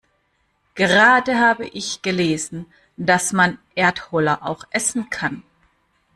Gerade hab ich gelesen, dass man Erdholler auch essen kann.